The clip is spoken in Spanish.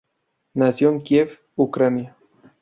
Nació en Kiev, Ucrania.